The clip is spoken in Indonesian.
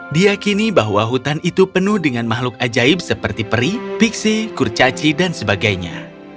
diakini bahwa hutan itu penuh dengan makhluk ajaib seperti peri piksi kurcaci dan sebagainya